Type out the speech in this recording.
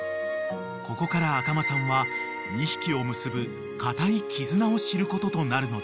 ［ここから赤間さんは２匹を結ぶ固い絆を知ることとなるのです］